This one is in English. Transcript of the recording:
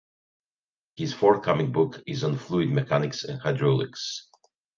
His forthcoming book is on Fluid Mechanics and Hydraulics.